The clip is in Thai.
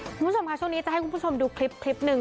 คุณผู้ชมค่ะช่วงนี้จะให้คุณผู้ชมดูคลิปหนึ่ง